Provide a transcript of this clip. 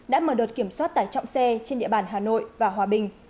đã mở đợt kiểm soát tải trọng xe trên địa bàn hà nội và hòa bình